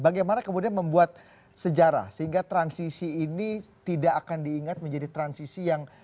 bagaimana kemudian membuat sejarah sehingga transisi ini tidak akan diingat menjadi transisi yang